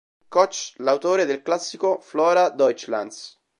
Koch, l'autore del classico "Flora Deutschlands".